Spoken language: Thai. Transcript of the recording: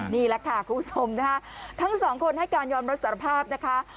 นี่แหละค่ะคุณผู้ชมนะคะทั้งสองคนให้การยอมรับสารภาพนะคะ